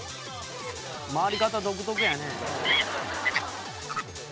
「回り方独特やね」